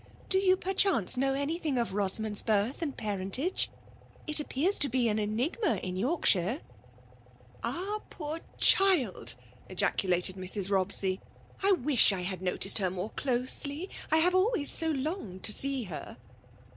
" Do you, perchance, know any thing of Rosamond's birth and parentage ? It Bp pears to be an enigma in Yorkshire." '' Ah 1 poor child !^' ejaculated Mrs. Bob sey. *' I wish I had noticed her more closely, r>I have always so longed to see her